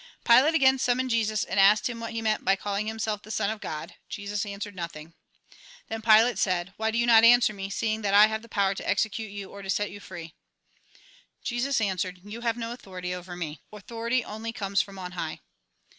Pilate again summoned Jesus, and asked him what he meant by calHng himself the Son of God. Jesus answered nothing. Then Pilate said :" Why do you not answer me, A RECAPITULATION 221 seeing that I have power to execute you or to set you fiee ?" Jesus answered :" You have no authority over nie ; authority only comes from on high."